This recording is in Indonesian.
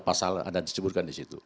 pasal yang anda disebutkan disitu